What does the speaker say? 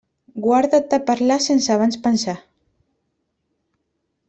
Guarda't de parlar sense abans pensar.